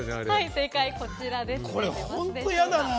正解、こちらです。